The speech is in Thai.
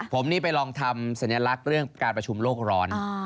ผมนี่ไปลองทำสัญลักษณ์เรื่องการประชุมโลกร้อน